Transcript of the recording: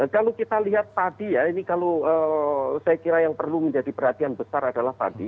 kalau kita lihat tadi ya ini kalau saya kira yang perlu menjadi perhatian besar adalah tadi